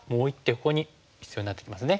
ここに必要になってきますね。